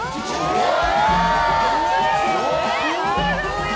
・うわ！